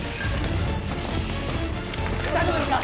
大丈夫ですか！？